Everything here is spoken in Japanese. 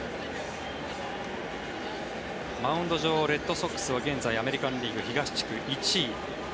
マウンド上レッドソックスは現在アメリカン・リーグ東地区１位